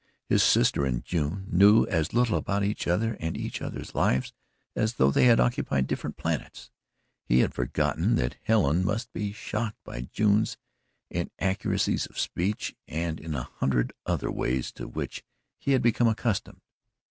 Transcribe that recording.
His sister and June knew as little about each other and each other's lives as though they had occupied different planets. He had forgotten that Helen must be shocked by June's inaccuracies of speech and in a hundred other ways to which he had become accustomed.